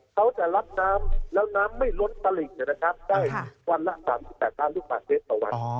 เค้าจะรับน้ำแล้วน้ำไม่ลดตาหลิ่นนะครับได้วันละ๓๘ล้านลูกหวัดเม็ดต่อวัน